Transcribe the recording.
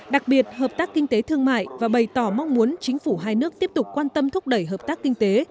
đặc biệt hợp tác kinh tế thương mại và bày tỏ mong muốn chính phủ hai nước tiếp tục quan tâm thúc đẩy hợp tác kinh tế